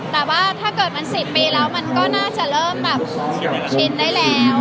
แต่ว่าถ้าเกิดมัน๑๐ปีแล้วมันก็น่าจะเริ่มแบบชินได้แล้ว